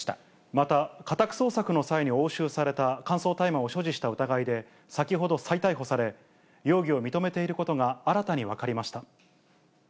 また、家宅捜索の際に押収された乾燥大麻を所持した疑いで、先ほど再逮捕され、容疑を認めていることが新たに分かりました。